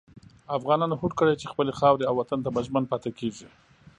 افغانانو هوډ کړی چې خپلې خاورې او وطن ته به ژمن پاتې کېږي.